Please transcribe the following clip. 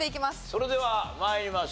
それでは参りましょう。